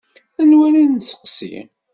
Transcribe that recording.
Anwa ara nesteqsi?